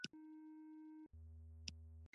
هغه په بوتل کې څو ډوله شګې اچولې.